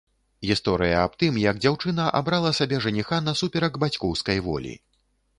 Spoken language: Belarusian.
Гісторыя аб тым, як дзяўчына абрала сабе жаніха насуперак бацькоўскай волі.